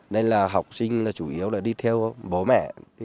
nên là học sinh chủ yếu là đi theo bố mẹ